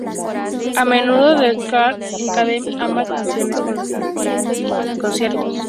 A menudo, Die Ärzte encadenan ambas canciones en los conciertos.